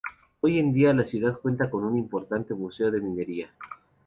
Hoy en día la ciudad cuenta con un importante museo de minería.